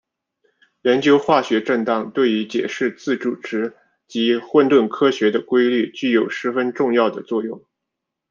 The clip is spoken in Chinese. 研究化学振荡对于解释自组织及混沌科学的规律具有十分重要的作用。